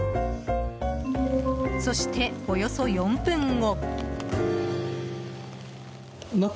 そして、およそ４分後。